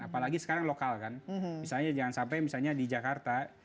apalagi sekarang lokal kan misalnya jangan sampai misalnya di jakarta